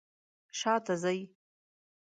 شاته ځئ